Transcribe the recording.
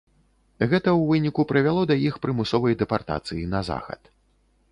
Гэта ў выніку прывяло да іх прымусовай дэпартацыі на захад.